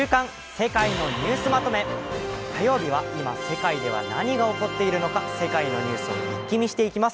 火曜日は今、世界では何が起こっているのか世界のニュースを一気見していきます。